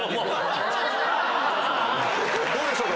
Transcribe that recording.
どうでしょうか？